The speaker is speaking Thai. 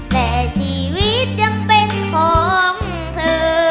แต่ชีวิตยังเป็นของเธอ